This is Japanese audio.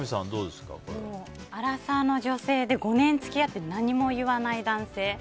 アラサー女性で５年付き合って何も言わない男性？